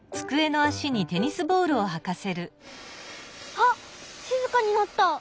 あっしずかになった！